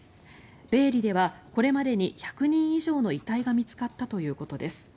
ベエリではこれまでに１００人以上の遺体が見つかったということです。